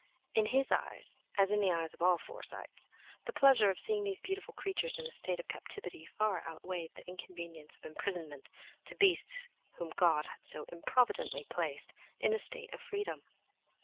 In his eyes, as in the eyes of all Forsytes, the pleasure of seeing these beautiful creatures in a state of captivity far outweighed the inconvenience of imprisonment to beasts whom God had so improvidently placed in a state of freedom!